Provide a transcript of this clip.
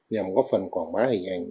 nhằm góp phần quảng bá hình ảnh